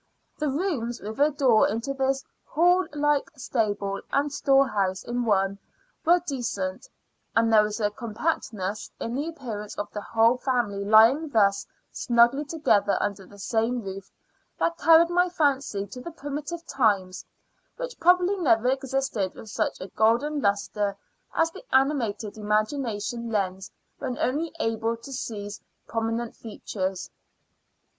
The rooms, with a door into this hall like stable and storehouse in one, were decent; and there was a compactness in the appearance of the whole family lying thus snugly together under the same roof that carried my fancy back to the primitive times, which probably never existed with such a golden lustre as the animated imagination lends when only able to seize the prominent features.